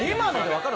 分かる？